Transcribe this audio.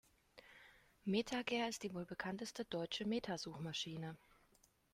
MetaGer ist die wohl bekannteste deutsche Meta-Suchmaschine.